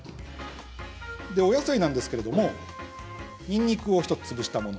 お野菜なんですけれどもにんにくを１つ潰したもの。